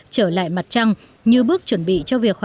trở lại mặt trăng như bước chuẩn bị cho việc quân đội